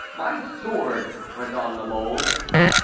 "My sword," went on La Mole.